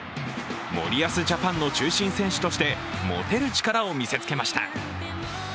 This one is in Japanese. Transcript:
森保ジャパンの中心選手として持てる力を見せつけました。